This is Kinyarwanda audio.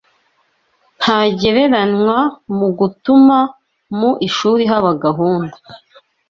ntagereranywa mu gutuma mu ishuri haba gahunda